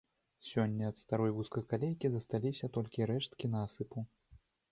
Сёння ад старой вузкакалейкі засталіся толькі рэшткі насыпу.